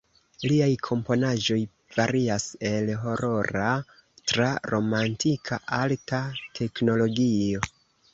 Liaj komponaĵoj varias el horora, tra romantika, alta teknologio.